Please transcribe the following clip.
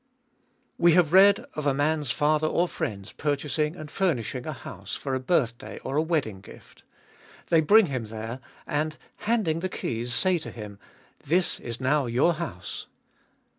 We have read of a man's father or friends purchasing and furnishing a house for a birth day or a wedding gift. They bring him there, and, handing the keys, say to him: ''This is now your house.